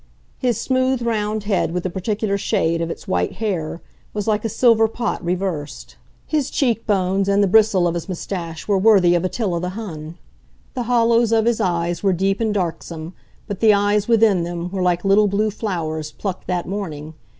His smooth round head, with the particular shade of its white hair, was like a silver pot reversed; his cheekbones and the bristle of his moustache were worthy of Attila the Hun. The hollows of his eyes were deep and darksome, but the eyes within them, were like little blue flowers plucked that morning.